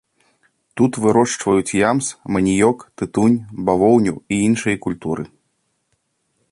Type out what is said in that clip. Тут вырошчваюць ямс, маніёк, тытунь, бавоўну і іншыя культуры.